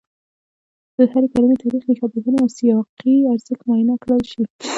د هرې کلمې تاریخي، ریښه پوهني او سیاقي ارزښت معاینه کړل شي